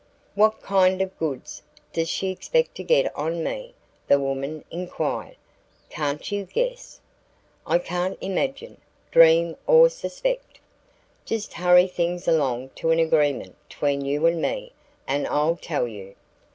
"What kind of 'goods' does she expect to get on me?" the woman inquired. "Can't you guess?" "I can't imagine, dream, or suspect." "Just hurry things along to an agreement tween you and me, and I'll tell you."